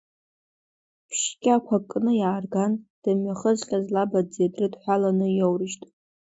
Ԥшь-қьақәак кны иаарган, дымҩахызҟьаз лабаӡӡеи дрыдҳәаланы иаурыжьт.